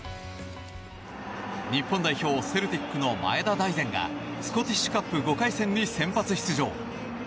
日本代表セルティックの前田大然がスコティッシュカップ５回戦に先発出場。